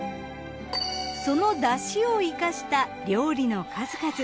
その出汁を生かした料理の数々。